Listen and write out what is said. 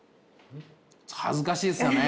恥ずかしいですよね。